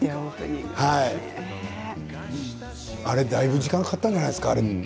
あれはだいぶ時間がかかったんじゃないですか？